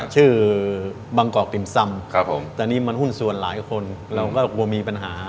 ชื่อบางกอกติ่มซ่ำครับผมแต่นี่มันหุ้นส่วนหลายคนเราก็กลัวมีปัญหา